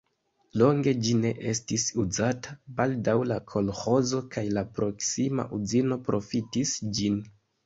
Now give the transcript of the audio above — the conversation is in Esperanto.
Longe ĝi ne estis uzata, baldaŭ la kolĥozo kaj la proksima uzino profitis ĝin.